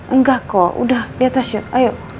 enggak kok udah di atas siap ayo